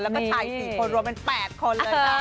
แล้วก็ชาย๔คนรวมเป็น๘คนเลยค่ะ